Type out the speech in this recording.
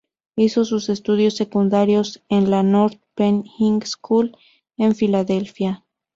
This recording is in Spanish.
Hizo sus estudios secundarios en la North Penn High School, en Filadelfia.